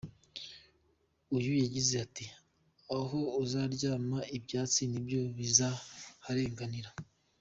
Uyu yagize ati “aho uzaryama ibyatsi nibyo bizaharenganira.